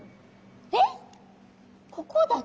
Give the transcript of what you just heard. えっここだけ？